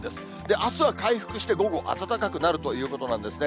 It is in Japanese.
あすは回復して、午後、暖かくなるということなんですね。